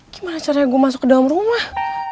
gimana caranya gue masuk ke dalam rumah